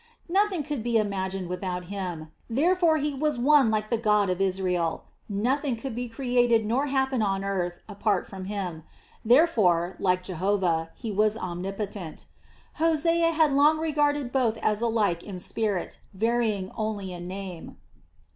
Nothing could be imagined without him, therefore he was one like the God of Israel. Nothing could be created nor happen on earth apart from him, therefore, like Jehovah, he was omnipotent. Hosea had long regarded both as alike in spirit, varying only in name.